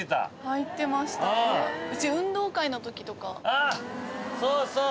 ああそうそう！